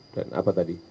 dan apa tadi